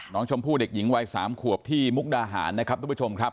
น้องชมพู่เด็กหญิงวัย๓ขวบที่มุกดาหารนะครับทุกผู้ชมครับ